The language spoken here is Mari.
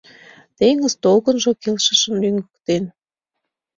Теҥыз толкынжо келшышын лӱҥгыктен.